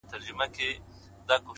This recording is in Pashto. هغه ورځ په واک کي زما زړه نه وي’